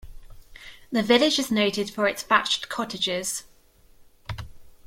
The village is noted for its thatched cottages.